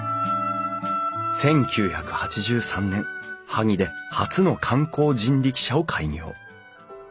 １９８３年萩で初の観光人力車を開業。